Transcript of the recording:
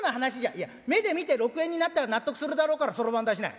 「いや目で見て６円になったら納得するだろうからそろばん出しなよ」。